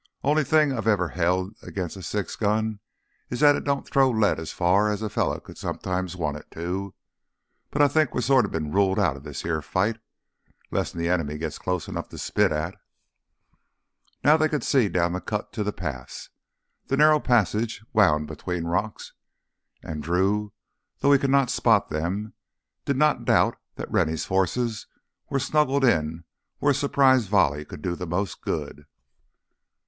"Only thing I've ever held 'gainst a six gun is that it don't throw lead as far as a fella could sometimes want it to. But I think we've sorta been ruled outta this here fight—'less th' enemy gits close 'nough to spit at." Now they could see down the cut of the pass. The narrow passage wound between rocks and Drew, though he could not spot them, did not doubt that Rennie's forces were snuggled in where a surprise volley could do the most good.